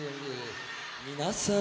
皆さん。